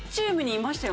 いました。